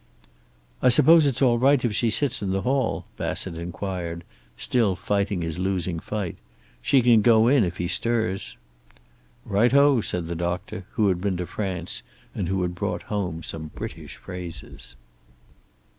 "I suppose it's all right if she sits in the hall?" Bassett inquired, still fighting his losing fight. "She can go in if he stirs." "Right o," said the doctor, who had been to France and had brought home some British phrases.